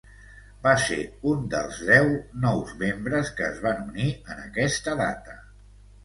Va ser un dels deu nous membres que es van unir en aquesta data.